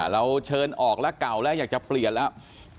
เราเชิญออกแล้วเก่าแล้วอยากจะเปลี่ยนแล้ว